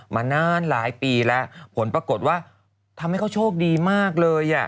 มานานหลายปีแล้วผลปรากฏว่าทำให้เขาโชคดีมากเลย